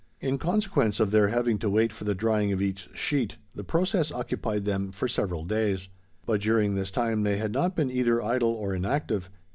In consequence of their having to wait for the drying of each sheet, the process occupied them for several days; but during this time they had not been either idle or inactive.